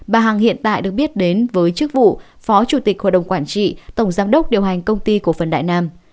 bà hằng hiện tại được biết đến với chức vụ phó chủ tịch hội đồng quản trị tổng giám đốc điều hành công ty cổ phần đại nam